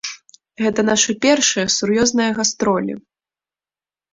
Гэта нашы першыя сур'ёзныя гастролі!